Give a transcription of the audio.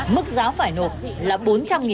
mức giá phải nộp là bốn trăm linh đồng